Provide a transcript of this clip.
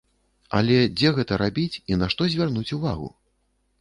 Але дзе гэта рабіць і на што звярнуць увагу?